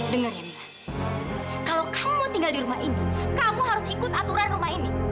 dengar ini kalau kamu tinggal di rumah ini kamu harus ikut aturan rumah ini